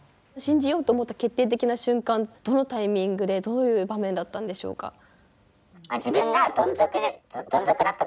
信じようと思った決定的な瞬間どのタイミングでどういう場面だったんでしょうか？